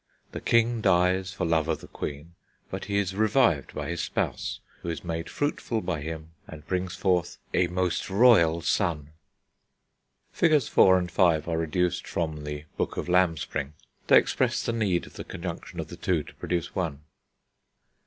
The king dies for love of the queen, but he is revived by his spouse, who is made fruitful by him and brings forth "a most royal son." Figs. IV. and V. are reduced from The Book of Lambspring; they express the need of the conjunction of two to produce one.